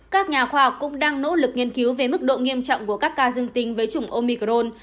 các nhà khoa học cũng đang nỗ lực nghiên cứu về mức độ nghiêm trọng của các ca dương tính với chủng omicron